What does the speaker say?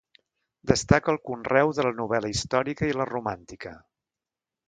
Destaca el conreu de la novel·la històrica i la romàntica.